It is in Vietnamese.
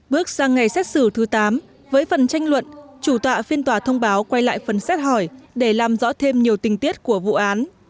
bước sang ngày xét xử thứ tám với phần tranh luận chủ tọa phiên tòa thông báo quay lại phần xét hỏi để làm rõ thêm nhiều tình tiết của vụ án